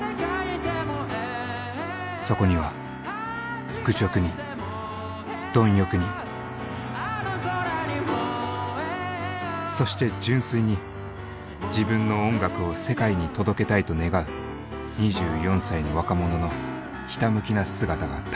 そこには愚直に貪欲にそして純粋に自分の音楽を世界に届けたいと願う２４歳の若者のひたむきな姿があった。